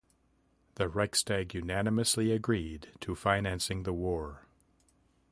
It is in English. The Reichstag unanimously agreed to financing the war.